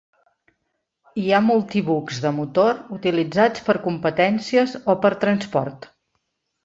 Hi ha multibucs de motor utilitzats per competències o per a transport.